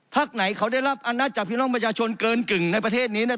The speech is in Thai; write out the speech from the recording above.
ไหนเขาได้รับอำนาจจากพี่น้องประชาชนเกินกึ่งในประเทศนี้